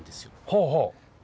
ほうほう。